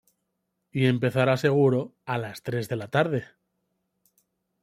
Y empezará seguro a las tres de la tarde".